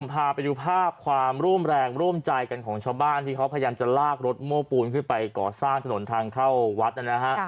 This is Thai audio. พาไปดูภาพความร่วมแรงร่วมใจกันของชาวบ้านที่เขาพยายามจะลากรถโม้ปูนขึ้นไปก่อสร้างถนนทางเข้าวัดนะฮะ